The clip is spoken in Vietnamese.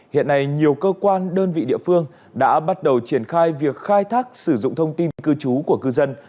hiện nay nhiều cơ quan đơn vị địa phương đã bắt đầu triển khai việc khai thác sử dụng thông tin cư trú của cư dân